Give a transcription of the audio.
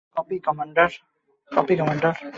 Copy, commander.